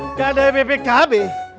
gak ada hp hp kb